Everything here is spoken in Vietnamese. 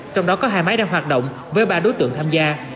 trong đó có hai máy đang hoạt động với ba đối tượng tham gia